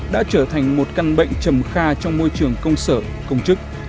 đã trở thành một căn bệnh trầm kha trong môi trường công sở công chức